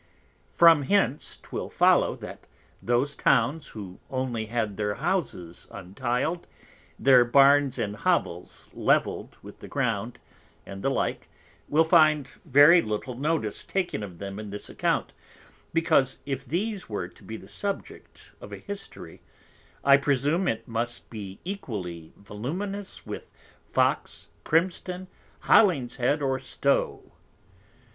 From hence 'twill follow, that those Towns who only had their Houses until'd, their Barns and Hovels levell'd with the Ground, and the like, will find very little notice taken of them in this Account; because if these were to be the Subject of a History, I presume it must be equally voluminous with Fox, Grimston, Holinshead or Stow.